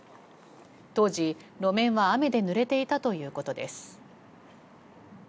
当時路面は雨で濡れていたということです。